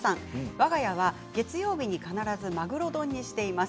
わが家は月曜日に必ずマグロ丼にしています。